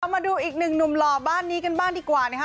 เอามาดูอีก๑นมรอบ้านนี้กันบ้านกว่านะคะ